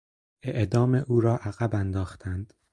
اعدام او را عقب انداختند.